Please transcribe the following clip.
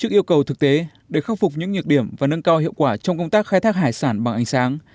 trước yêu cầu thực tế để khắc phục những nhược điểm và nâng cao hiệu quả trong công tác khai thác hải sản bằng ánh sáng